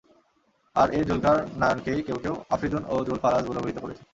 আর এ যুলকুরনায়নকেই কেউ কেউ আফরীদুন ও যুল ফারাস বলে অভিহিত করেছেন।